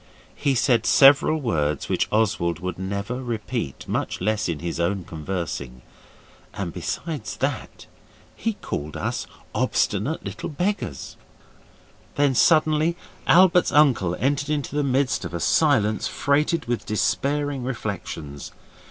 He said several words which Oswald would never repeat, much less in his own conversing, and besides that he called us 'obstinate little beggars'. Then suddenly Albert's uncle entered in the midst of a silence freighted with despairing reflections.